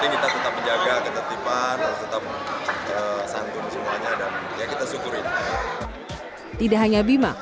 kita tetap menjaga ketertiban harus tetap santun semuanya dan ya kita syukurin tidak hanya bima